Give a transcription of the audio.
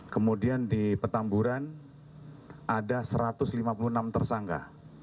kemudian di petamburan ada satu ratus lima puluh enam tersangka